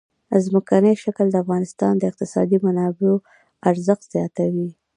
ځمکنی شکل د افغانستان د اقتصادي منابعو ارزښت زیاتوي.